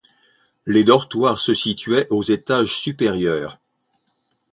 Les dortoirs se situaient aux étages supérieurs.